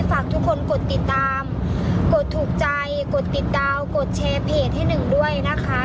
ฝากทุกคนกดติดตามกดถูกใจกดติดดาวน์กดแชร์เพจให้หนึ่งด้วยนะคะ